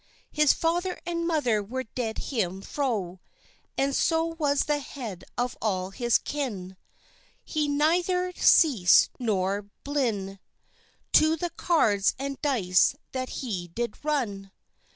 His father and mother were dead him froe, And so was the head of all his kinne; He did neither cease nor blinne To the cards and dice that he did run.